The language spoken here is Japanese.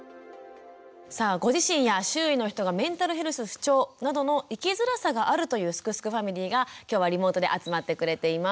さあご自身や周囲の人がメンタルヘルス不調などの生きづらさがあるというすくすくファミリーが今日はリモートで集まってくれています。